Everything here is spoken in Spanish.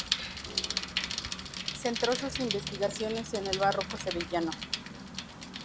Centró sus investigaciones en el barroco sevillano.